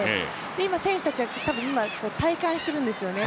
今、選手たちは今、体感しているんですよね。